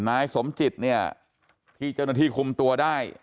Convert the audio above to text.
นายสมจิตเนี่ยที่เจ้าหน้าที่คุมตัวได้